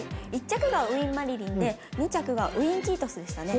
１着がウインマリリンで２着がウインキートスでしたね。